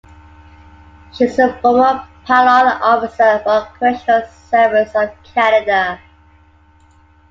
She is a former parole officer for Correctional Service of Canada.